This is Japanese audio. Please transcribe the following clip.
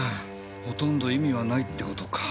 ほとんど意味はないって事か。